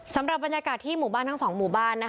สำหรับบรรยากาศที่หมู่บ้านทั้ง๒หมู่บ้าน